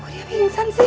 kok dia pingsan sih